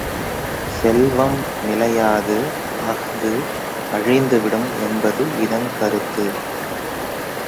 செல்வம் நிலையாது அஃது அழிந்துவிடும் என்பது இதன் கருத்து!